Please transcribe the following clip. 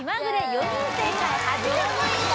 ４人正解８０ポイント